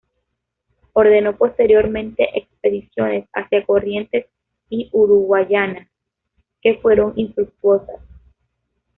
Ordenó posteriormente expediciones hacia Corrientes y Uruguayana, que fueron infructuosas.